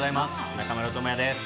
中村倫也です。